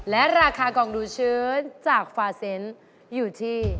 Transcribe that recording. และราคากองดูชื้นจากฟาเซนต์อยู่ที่